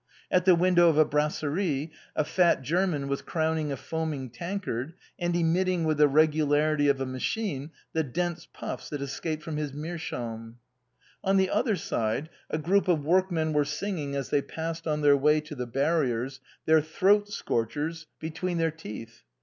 At the window of a bras serie, a fat German was crowning a foaming tankard, and emitting, with the regularity of a machine, the dense puffs that escaped from his meerschaum. On the other side, a group of workmen were singing as they passed on their way to their barriers, their " throat scorchers " between their teeth.